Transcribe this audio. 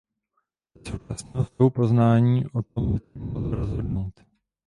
Ze současného stavu poznání o tom zatím nelze rozhodnout.